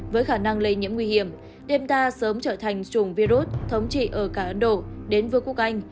với khả năng lây nhiễm nguy hiểm denta sớm trở thành chủng virus thống trị ở cả ấn độ đến vương quốc anh